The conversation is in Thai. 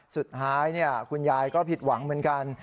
สุดท้ายคุณยายก็ผิดหวังเหมือนกัน